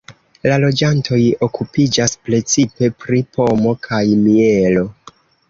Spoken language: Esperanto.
La loĝantoj okupiĝas precipe pri pomo kaj mielo.